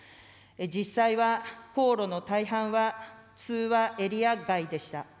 実際は、航路の大半は、通話エリア外でした。